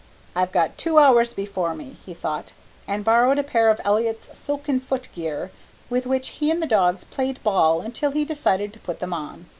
"I've got two hours before me," he thought, and borrowed a pair of Elliott's silken foot gear, with which he and the dogs played ball until he decided to put them on.